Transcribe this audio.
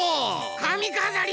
かみかざり！